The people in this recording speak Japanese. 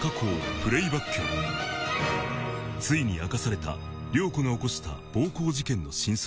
［ついに明かされた涼子の起こした暴行事件の真相］